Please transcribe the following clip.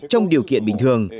trong điều kiện bình thường